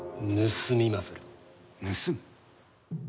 盗む？